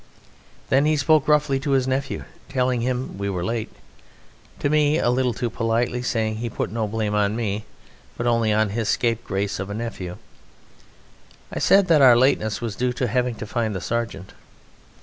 Then he spoke roughly to his nephew, telling him we were late: to me a little too politely saying he put no blame on me, but only on his scapegrace of a nephew. I said that our lateness was due to having to find the Sergeant.